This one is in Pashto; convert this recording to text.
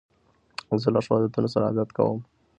زه له ښو عادتو سره عادت کوم.